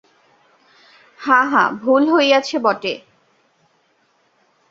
হাঁ হাঁ, ভুল হইয়াছে বটে।